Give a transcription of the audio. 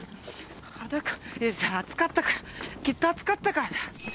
裸暑かったから。きっと暑かったからだ。